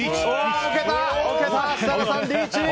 置けた、設楽さんリーチ！